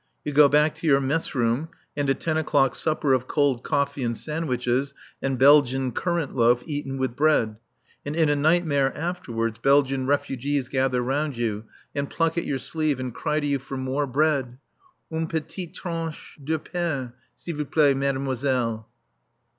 You go back to your mess room and a ten o'clock supper of cold coffee and sandwiches and Belgian current loaf eaten with butter. And in a nightmare afterwards Belgian refugees gather round you and pluck at your sleeve and cry to you for more bread: "_Une petite tranche de pain, s'il vous plaît, mademoiselle!